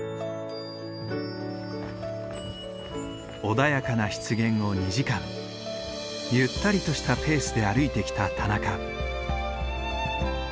穏やかな湿原を２時間ゆったりとしたペースで歩いてきた田中。